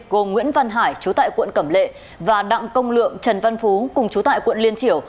gồm nguyễn văn hải chú tại quận cẩm lệ và đặng công lượng trần văn phú cùng chú tại quận liên triểu